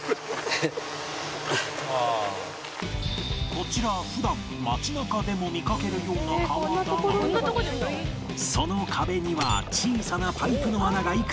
こちら普段街中でも見かけるような川だがその壁には小さなパイプの穴がいくつもあり